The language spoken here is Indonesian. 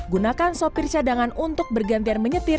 gunakan sopir cadangan untuk bergantian menyetir